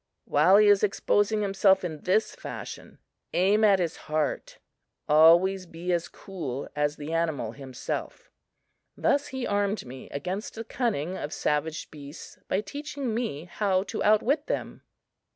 While he is exposing himself in this fashion, aim at his heart. Always be as cool as the animal himself." Thus he armed me against the cunning of savage beasts by teaching me how to outwit them.